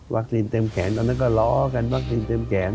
วัคษณินเต็มแขนตอนนั้นก็เลาะกันวัคษณินเต็มแขน